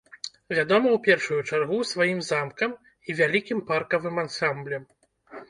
Вядома ў першую чаргу сваім замкам і вялікім паркавым ансамблем.